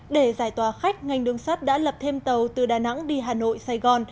để giải tỏa khách ngành đường sắt đã lập thêm tàu từ đà nẵng đi hà nội sài gòn